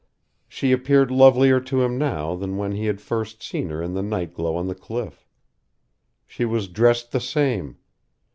She appeared lovelier to him now than when he had first seen her in the night glow on the cliff. She was dressed the same.